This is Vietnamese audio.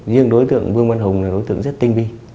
riêng đối tượng vương văn hùng là đối tượng rất tinh vi